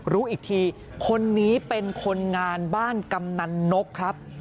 รู้อีกทีคนนี้เป็นคนงานบ้านกำนันนกครับ